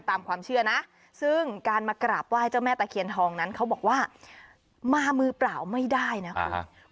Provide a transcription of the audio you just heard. ตามความเชื่อนะซึ่งการมากราบไหว้เจ้าแม่ตะเคียนทองนั้นเขาบอกว่ามามือเปล่าไม่ได้นะคุณ